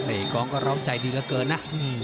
กองก็ร้องใจดีเหลือเกินนะ